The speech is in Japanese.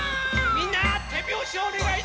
みんなてびょうしおねがいいたしやす！